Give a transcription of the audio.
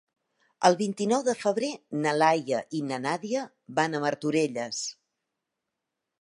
El vint-i-nou de febrer na Laia i na Nàdia van a Martorelles.